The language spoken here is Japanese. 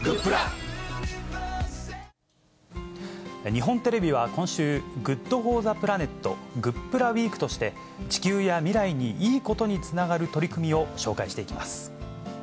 日本テレビは今週、ＧｏｏｄＦｏｒｔｈｅＰｌａｎｅｔ、グップラウィークとして、地球や未来にいいことにつながる取り組みを紹介していきます。